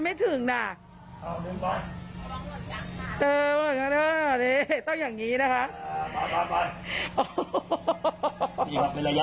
ที่เกือบ๒เมตรล่ะเกือบ๒เมตรระยะห่างมากเลย